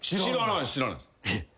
えっ。